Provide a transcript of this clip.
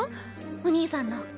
お兄さんの。